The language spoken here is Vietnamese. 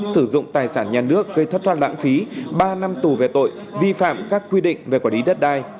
sử dụng tài sản nhà nước gây thất thoát lãng phí ba năm tù về tội vi phạm các quy định về quản lý đất đai